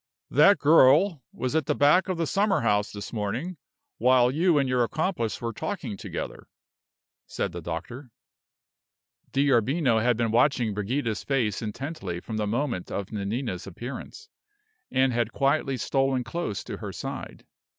"That girl was at the back of the summer house this morning, while you and your accomplice were talking together," said the doctor. D'Arbino had been watching Brigida's face intently from the moment of Nanina's appearance, and had quietly stolen close to her side.